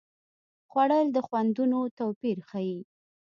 خوړل د خوندونو توپیر ښيي